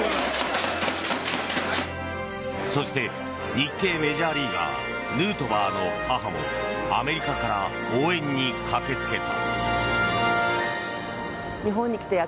そして日系メジャーリーガーヌートバーの母もアメリカから応援に駆け付けた。